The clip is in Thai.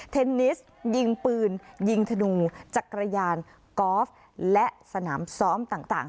เทนนิสยิงปืนยิงธนูจักรยานกอล์ฟและสนามซ้อมต่าง